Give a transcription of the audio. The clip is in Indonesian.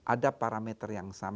ada parameter yang sama